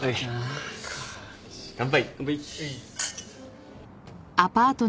乾杯。